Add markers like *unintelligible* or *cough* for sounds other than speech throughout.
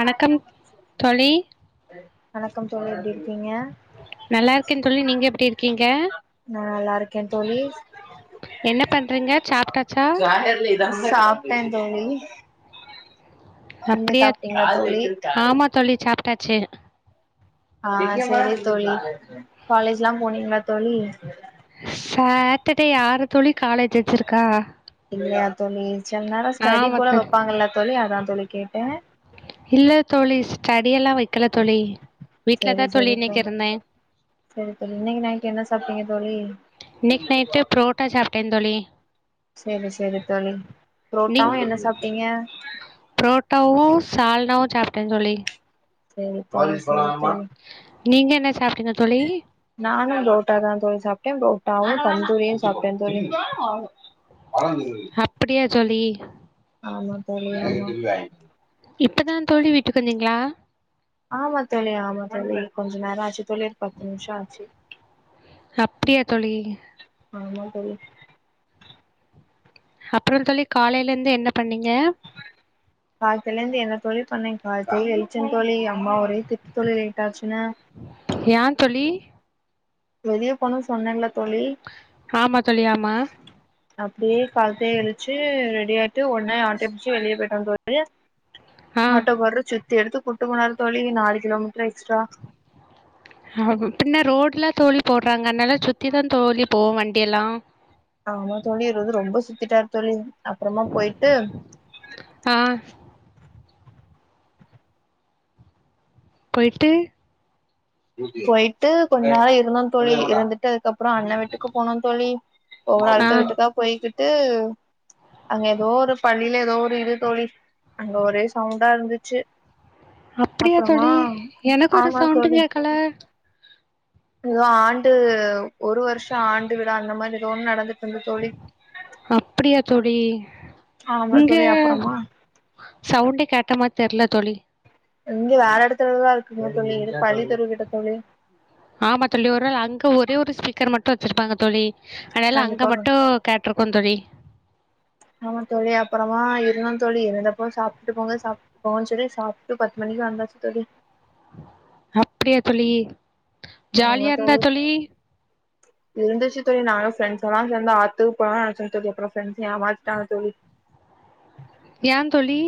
வணக்கம் கரெக்டா தோழி வணக்கம் தோழி எப்டிருக்கீங்க நல்லாருக்கே தோழி நீங்க எப்டி இருக்கீங்க நா நல்லாருக்கே தோழி என்ன பண்றீங்க சாப்ட்டாச்சா நா சாப்ட்டே தோழி நீங்க அப்டியா சாப்ட்டீங்களா தோழி ஆமா தோழி சாப்ட்டாச்சு ஆ சரி தோழி காலேஜ்லா போனீங்ளா தோழி சாட்டர்டே யாரு தோழி காலேஜ் வச்சுருக்கா அப்டிங்ளா தோழி சில நேரொ ஸ்டடி ஆமா போல தோழி வப்பாங்கள தோழி அதா தோழி கேட்டே இல்ல தோழி ஸ்டடியெல்லா வக்கல தோழி வீட்ல தா சரி தோழி சரி இன்னக்கிருந்தே சரி தோழி இன்னக்கி நைட் என்ன சாப்ட்டீங்க தோழி இன்னைக் நைட்டு ப்ரோட்டா சாப்ட்டே தோழி சேரி சேரி தோழி ப்ரோட்டாவு என்ன சாப்ட்டீங்க ப்ரோட்டாவு சால்னாவு சாப்ட்டே தோழி சேரி தோழி சேரி தோழி நீங்க என்ன சாப்ட்டீங்க தோழி நானு ப்ரோட்டா தா தோழி சாப்ட்டே ப்ரோட்டாவு தந்தூரியு சாப்ட்டே தோழி காளான் *unintelligible* அப்டியா தோழி ஆமா தோழி ஆமா இப்ப தா தோழி வீட்டுக் வந்தீங்ளா ஆமா தோழி ஆமா தோழி கொஞ்சொ நேரொ ஆச்சு தோழி பத்து நிமிஷொ ஆச்சு அப்டியா தோழி ஆமா தோழி அப்புறோ தோழி காலைல இருந்து என்ன பண்ணீங்க கால்த்திலேருந்து என்ன தோழி பண்ணே கால்த்தே எல்ச்சே தோழி அம்மா ஒரே திட்டுத் தோழி லேட்டாச்சுன்னு ஏ தோழி வெளிய போனுன் சொன்னேல்ல தோழி ஆமா தோழி ஆமா அப்டியே கால்த்தே எழுச்சு ரெடி ஆய்ட்டு ஒட்னே ஆட்டே புடுச்சு வெளிய போய்ட்டோந்தோழி ஆ ஆட்டோ காரர் சுத்தி எடுத்து கூட்டு போனாரு தோழி நாலு கிலோ மீட்டர் எக்ஸ்ட்ரா ஆ பின்ன ரோடுலா தோழி போட்றாங்க அனால சுத்திதா தோழி போவ் வண்டி எல்லா ஆமா தோழி இது வந்து ரொம்ப சுத்திட்டாரு தோழி அப்றமா போய்ட்டு ஆ போய்ட்டு போயிட்டு கொஞ்ச நேரோ இருந்தோ தோழி இருந்துட்டு அதுக்கப்றோ அண்ண வீட்டுக்கு போனோ தோழி ஒவ்வொரு ஆ ஆளுக்க வீட்டுகா போய்கிட்டு அங்க ஏதோ ஒரு பள்ளில ஏதோ ஒரு இது தோழி அங்க ஒரே சவுண்டா இருந்துச்சு அப்படியா அப்றமா தோழி எனக்கு ஒரு ஆமா சவுண்டு தோழி கேக்கல ஏதோ ஆண்டு ஒரு வருஷோ ஆண்டு விழா அந்த மாரி ஏதோ ஒண்ணு நடந்துட்டு இருந்து தோழி அப்டியா தோழி ஆமா இங்க தோழி அப்புறமா சவுண்டே கேட்ட மாரி தெர்ல தோழி இங்க வேற எடத்துலதா இருக்குங்க தோழி பள்ளித்தெரு கிட்ட தோழி ஆமா தோழி ஒரு வேள அங்க ஒரே ஒரு ஸ்பீக்கர் மட்டூ வச்சிருப்பாங்க தோழி அனால அங்க கண்டிப்பாக மட்டூ கேட்ருக்கு தோழி ஆமா தோழி அப்புறமா இருதோ தோழி இருந்தப்போ சாப்ட்டு போங்க சாப் ட்டு போங்க சொல்லி சாப்டு பத்து மணிக்கி வந்தாச் தோழி அப்டியா தோழி ஆமா ஜாலியா இருந்தா தோழி *inaudible* இருந்துச்சு தோழி நாங்க ஃப்ரெண்ட்ஸல்லா சேந்து ஆத்துகு போலா நெனச்சோ தோழி அப்புறோ ஃப்ரெண்ட்ஸ் ஏமாத்திடாங்க தோழி ஏ தோழி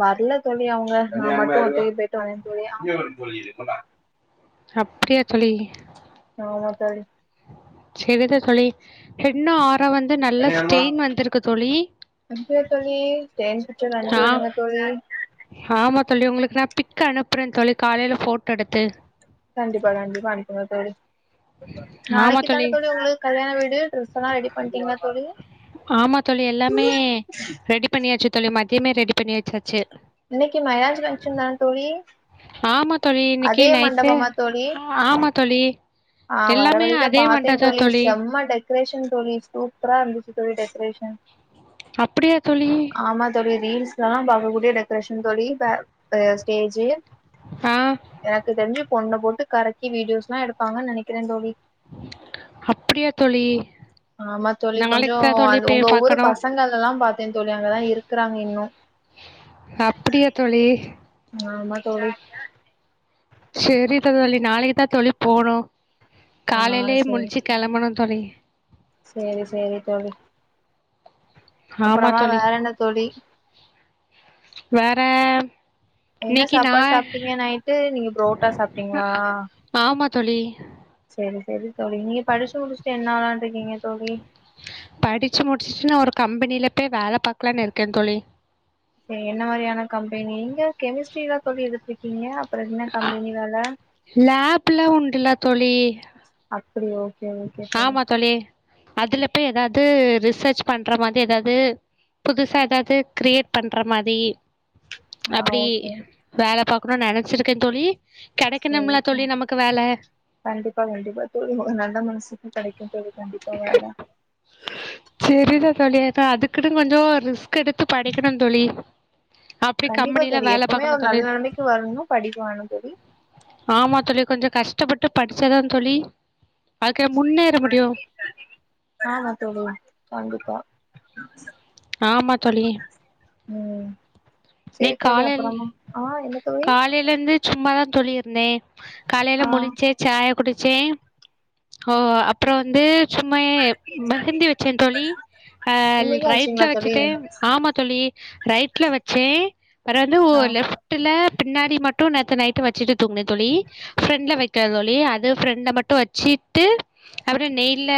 வர்ல தோழி அவுங்க நா மட்டு அப்டி போய்ட்டு வந்தே தோழி அப்டியா தோழி ஆமா தோழி செரிதா தோழி ஹென்னா ஆறா வந்து நல்ல ஸ்டெய்ன் வந்துருக்கு தோழி ப்போத்தோழி ஸ்டெய்ன் பிச்சர் அனுப்பி ஆ உடுங்க தோழி ஆமா தோழி உங்களுக்கு நா பிக் அனுப்புறே தோழி காலைல ஃபோட்டோ எடுத்து கண்டிப்பா கண்டிப்பா அனுப்புங்க தோழி நாளைக்கி தானே தோழி உங்களுக்கு கல்யாண வீடு ட்ரெஸ்ஸல்லா ரெடி பண்ணிட்டீங்ளா தோழி ஆமா தோழி எல்லாமே ரெடி பண்ணியாச்சு தோழி மத்யமே ரெடி பண்ணி வச்சாச்சு இன்னக்கி மருதாணி ஃபங்சன்தான தோழி ஆமா தோழி இன்னக்கி அதே நைட்டு மண்டபமா தோழி ஆமா தோழி ஆ வற்ர எல்லாமே வழில அதே பாத்தே வண்டதா தோழி செம்ம டெக் ரேஷன் தோழி சூப்பரா இருந்துச்சு தோழி டெக்கரேஷன் அப்டியா தோழி ஆமா தோழி ரீல்ஸ்லலா பாக்க கூடிய டெக்கரேஷன் தோழி ப அ ஸ்டேஜு ஆ எனக்கு தெரிஞ்சு பொண்ன போட்டு கரக்கி வீடியோஸ்லா எடுப்பாங்கன் நெனக்கிறே தோழி அப்டியா தோழி ஆமா தோழி கொஞ்சோ நாளைக்கு தான் தோழி அது உங்க போய் ஊரூ பார்க்கணும் பசங்களல்லா பாத்தே தோழி அங்கதா இருக்கறாங்க இன்னு அப்டியா தோழி ஆமா தோழி சரி தோழி நாளைக்கு தா தோழி போவனு ஆ காலையிலே முழிச்சு கெளம்பணு தோழி சரி சரி தோழி ஆமா அப்பறமா தோழி வேற என்ன தோழி வேற என்ன இன்னைக்கு நா சாப்பாடு சாப்ட்டீங்க நயிட்டு நீங்க புரோட்டா சாப்ட்டீங்களா ஆமா தோழி சரி சரி தோழி நீங்க படிச்சு முடிச்சுட்டு என்ன ஆளான்ட்டு இருக்கீங்க தோழி படிச்சு முடிச்சிட்டு ஒரு கம்பெனில போய் வேல பாக்கலாம்னு இருக்கே தோழி சரி என்ன மாதிரியான கம்பெனி இங்க கெமிஸ்ட்ரில்ல தோழி எடுத்துருக்கீங்க அப்புற என்ன கம்பெனி வேல லாப்லா உண்டுலா தோழி அப்டிய ஓகே ஓகே ஆமா தோழி அதுல போய் எதாவது ரிசர்ச் பண்ற மாரி எதாவது புதுசா ஏதாவது கிரியேட் பண்ற மாரி ஆ அப்டி ஓகே வேல பாக்கணு நெனச்சிருக்கே தோழி கெடக்கணும்லா தோழி நமக்கு வேல கண்டிப்பா கண்டிப்பா தோழி உங் நல்ல மனசுக்கு கெடைக்கு தோழி கண்டிப்பா வேல செரிதா தோழி அதா அதுக்குனு கொஞ்சோ ரிஸ்க் எடுத்து படிக்கணு தோழி அப்டி கண்டிப்பா கம்பெனில தோழி வேல எப்பவுமே பாக்கணு ஒரு நல்ல தோழி நெலமைக்கு வரனுனா படிக்க வேனு தோழி ஆமா தோழி கொஞ்ச கஷ்டப்பட்டு படிச்சா தா தோழி அதுக்கு முன்னேற முடியு ஆமா தோழி கண்டிப்பா ஆமா தோழி ம் செரி இன்னைக்கு தோழி அப்புறமா ஆ என்ன தோழி லையில இருந்து சும்மாதா தோழி இருந்தே காலையில ஆ முழிச்சே சாயா குடிச்சே ஓ அப்புற வந்து சும்மாயே மெஹந்தி வச்சே தோழி அ இன்னைக்கு ரைட்ல ஆச்சுங்களா தோழி வச்சிட்டே ஆமா தோழி ரைட் ட்ல வச்சே வற வந்து ஆ ஓரு லெப் பில்ல பின்னாடி மட்டு நேத்து நைட்டு வச்சிட்டு தூங்ன தோழி ஃப்ரெண்ட்ல வெக்கல தோழி அது ஃப்ரெண்ட மட்டு வச்சிட்டு அப்புற நெய்ல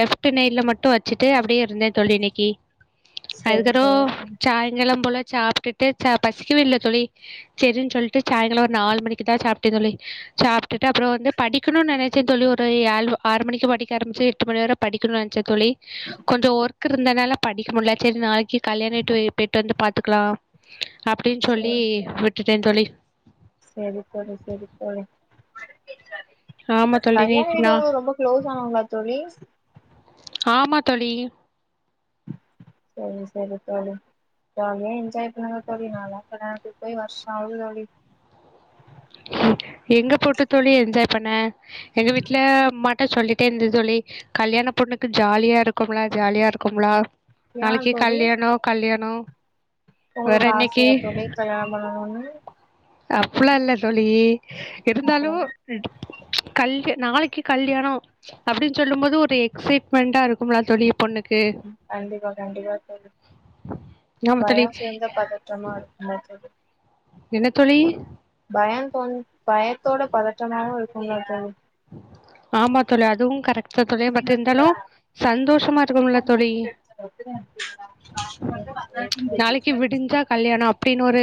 லெஃப்ட் நெய்ல மட்டு வச்சிட்டு அப்டியே இருந்த தோழி இன்னைக்கு சரி அதுக்கறோ சரி தோழி சாயங்கால போல சாப்ட்டுட்டு ச பசிக்கவே இல்ல தோழி செரின் சொல்ட்டு சாய்ங்கால ஒரு நால் மணிக்கு தா சாப்ட்ட தோழி சாப்ட்டுட்டு அப்புற வந்து படிக்கனுன் நெனச்ச தோழி ஒரு ஆல்வோ ஆறு மணிக்கு படிக்க ஆரம்பிச்சி எட்டு மணி வர படிக்கனுன் நெனச்ச தோழி கொஞ்ச ஒர்க் இருந்தனால படிக்க முட்ல செரி நாளைக்கு கல்யாண வீட்டு வே போய்ட்டு வந்து பாத் துக்லா அப்டின் சொல்லி சரி விட்டுட்டே தோழி செரி தோழி செரி தோழி ஆமா தோழி நீ கல்யாண வீடு நா உங்களுக்கு ரொம்ப க்ளோஸ் ஆனவங்ளா தோழி ஆமா தோழி செரி செரி தோழி ஜாலியா என்ஜாய் பண்ணுங்க தோழி நா லா கல்யாணத்துக்கு போய் வருஷ ஆவுது தோழி எங்க போட்டு தோழி என்ஜாய் பண்ண எங்க வீட்ல அம்மாட்ட சொல்லிட்டே இருந்தது தோழி கல்யாண பொண்ணுக்கு ஜாலியா இருக்கும்லா ஜாலியா இருக்கும்லா ஏ நாளைக்கு தோழி கல்யாணோ கல்யாணோ ஒரு வேற அசையா தோழி கல்யாண் பண்ணனுனு அப்புல்லா இல்ல தோழி இருந்தாலு அப்றமா கல்ய நாளைக்கு கல்யாணோ அப்டின் சொல்லு போது ஒரு எக்சைட்மெண்டா இருக்கும்லா தோழி பொண்ணுக் கண்டிப்பா கண்டிப்பா தோழி ஆமா தோழி பய சேந்த பதற்றமா இரு ஆ சொல்லு என்ன தோழி பயம் தோன் பயத்தோட பதற்றமாவு இருக்குல்ல தோழி ஆமா தோழி அதுவு கரெக்ட் தோழி பட் இருந்தாலு சந்தோஷமா இருக்கு இல்ல தோழி பிரச்சன ஆச்சி நாளைக்கு விடிஞ்சா கல்யாணோ அப்டின் ஒரு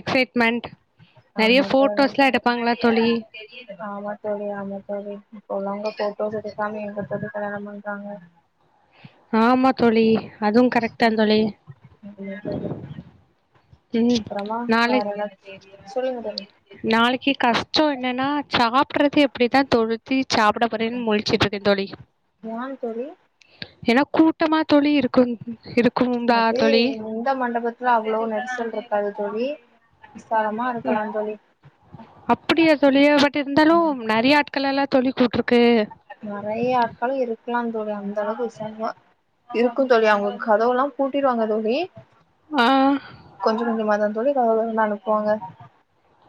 எக்சைட்மெண்ட் ஆமா தோழி தோழி ஆமா தோழி ஆமா தோழி இப்பவுள்ளவங்க போட்டோஸ் எடுக்காம எங்க தோழி கல்யாணம் பண்றாங்க ஆமா தோழி அதுவு கரெட்தா தோழி ம் அப்புறமா வேற நாளைக் என்ன *unintelligible* சொல்லுங்க தோழி நாளைக்கு கஷ்ட என்னனா சாப்டறது எப்டிதா தொழுத்தி சாப்ட அப்றன் முழ்ச்சிட்ருக்க தோழி ஏ தோழி ஏன்னா கூட்டமா தோழி இருக்கு இருக்கும்டா அது தோழி இந்த மண்டபத்துல அவ்வளவு நெரிசல் இருக்காது தோழி விசாரமா இருக்கலா தோழி அப்டியா தோழி பட் இருந்தாலு நெறய ஆட்களல்ல தோழி கூப்ட்ருக்கு நெறய ஆட்கள் இருக்கலா தோழி அந்த அளவுக்கு விசாரமா இருக்கு தோழி அவங்க கதவல்லா பூட்டிருவாங்க தோழி ஆ கொஞ்சோ கொஞ்சோமாதா தோழி கதவ தொறந்து அனுப்புவாங்க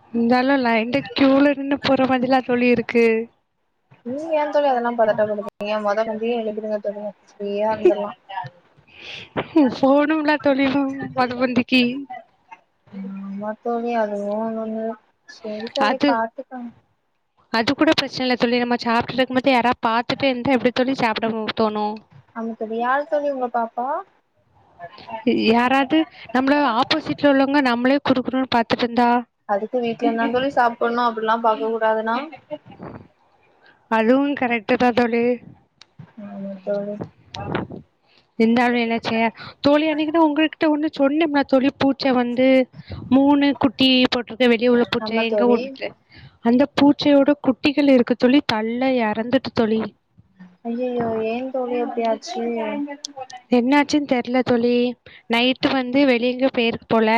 இருந்தாலு லைன்ல கியூல நின்னு போற மாதிரி தா தோழி இருக்கு நீ ஏ தோழி அதெல்லா பதட்டப்படுத்துறீங்க மொத பந்தியே எழுந்துடுங்க தோழி ஃப்ரீயா இருந்துரலா போனுல தோழி மொத பந்திக்கு ஆமா தோழி அதுவு *unintelligible* சரி தோழி அது பாத்துக்கங்க அது கூட பிரச்சன இல்ல தோழி நம்ம சாப்ட்டு இருக்கு போது யாராது பாத்துட்டு இருந்தா எப்டி தோழி சாப்ட தோணு ஆமா தோழி யாரு தோழி உங்கள பாத்தா யாராவது நம்மள ஆப்போசிட்ல உள்ளவங்க நம்மளே குறுகுறுனு பாத்துட்டு இருந்தா அடுத்த வீட்ல நம்மளு சாப்புட்ணு அப்டிலா பாக்க கூடாதுனா அதுவு கரெக்ட் தா தோழி ஆமா தோழி இருந்தாலு என்னாச்ச தோழி அன்னைக்கு தா உங்ள்கிட்ட வந்து சொன்னம்னா தோழி பூச்சை வந்து மூணு குட்டி சோட்ருக்கு வெளிய உள்ள பூச்ச ஆமா எங்க தோழி வோடு அந்த பூச்சையோட குட்டிகள் இருக்கு தோழி கல்ல இறந்துட்டு தோழி ஐயையோ ஏ தோழி அப்டியாச்சு என்னாச்சுன் தெரில தோழி நைட்டு வந்து வெளிய எங்கயோ போயிருக்கு போல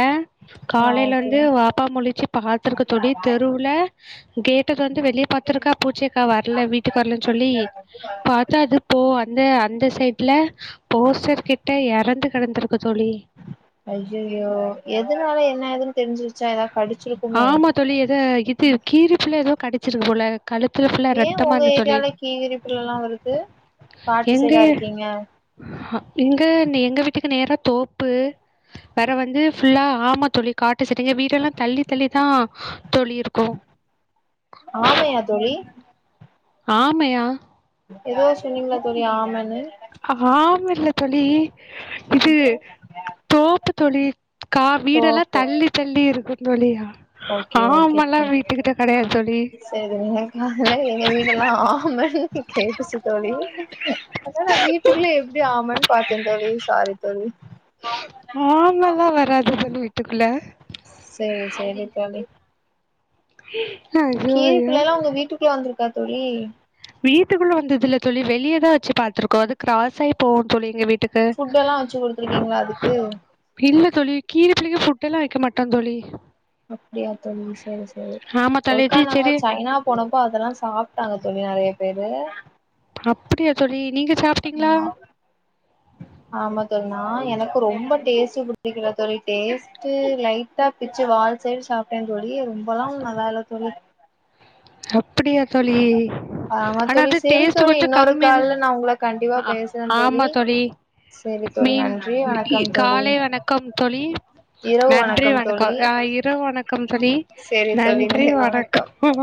ஆ காலைல ஓகே வந்து வாப்பா முழிச்சு பாத்துருக்கு தோழி தெருவுல கேட்ட தொறந்து வெளிய பாத்துருக்கா பூச்சைக்கா வரல வீட்டுக்கு வரலன் சொல்லி பா தா அது போ அந்த அந்த சைட்ல போஸ்டர் கிட்ட இறந்து கிடந்திருக்கு தோழி ஐயையோ எதுனால என்ன ஏதுன் தெரிஞ்சுருச்சா எதாவது கடிச்சிரு ஆமா தோழி எதோ இது கீரிப்புள்ள எதோ கடிச்சிருக்கு போல கழுத்துல ஃபுல்லா ஏ ரத்தமா உங்க இருந்து தோழி ஏரியால கீரிப்புல்லலா வருது பாட்டு சைடா இருக்கீங்க இங்க எங்க வீட்டுக்கு நேரா தோப்பு வேற வந்து ஃபுல்லா ஆமா தோழி காட்டு செரிங்க வீடு எல்லா தள்ளி தள்ளி தா தோழி இருக்கு ஆமையா தோழி ஆமையா இப்ப எதோ சொன்னீங்க தோழி ஆமனு ஆம இல்ல தோழி இது அப்றோ தோப்பு தோழி கா வீடெல்லா தோப்பு தள்ளி தள்ளி இருக்கு தோழி ஓகே ஓகே ஆமல்லா வீட்டுக்கிட்ட கெடையாது தோழி சரி எ காதுல எங்க வீடல்லா ஆமன்னு கேட்டுச்சு தோழி அதா நா வீட்டுக்குல்ல எப்டி ஆமன்னு பாத்த தோழி சாரி தோழி ஆமல்லா வராது தோழி வீட்டுக்குள்ள செ ரி செரி தோழி ஐயோ ஐயோ கீரிபிள்ளலா உங்க வீட்டுக்குள்ள வந்துருக்கா தோழி வீட்டுக்குள்ள வந்ததில்ல தோழி வெளியதா வச்சி பாத்துருக்கோ அது கிராஸ்ஸாகி போகு தோழி எங்க வீட் ஃபுட் எல்லா வச்சு குடுத்துருக்கீங்களா அதுக்கு இல்ல தோழி கீரிபிள்ளைக்கி ஃபுட் எல்லா வெக்க மாட்டோ தோழி அப்டியா தோழி சரி சரி ஆமா தோழி ஒருக்கா சி நாங்க செரி சைனா போனப்ப அதெல்லா சாப்ட்டாங்க தோழி நெறையா பேரு அப்டியா தோழி நீங்க சாப் அம்மா ஆமா தோழி நா எனக்கு ரொம்ப டேஸ்ட் பிடிக்கல தோழி டேஸ் ட்டு லைட்டா பிச்சி வால் சைடு சாப்ட்டே தோழி ரொம்பல்லா ஒண்ணு நல்லால்ல தோழி அப்டியா தோழி ஆமா ஆனா தோழி அது செரி டேஸ்ட் தோழி கொஞ்ச இன்னொரு கம்மியாதா கால்ல நா உங்கள கண்டிப்பா ஆ பேசுறே ஆமா தோழி செரி தோழி மீன் நன்றி வணக்கம் தோழி காலை வணக்கம் தோழி இரவு நன்றி தோழி வணக்கம் ஆ இரவு வணக்கம் தோழி செரி தோழி நன்றி வணக்கம் வணக்கோ